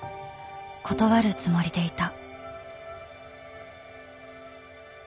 断るつもりでいた。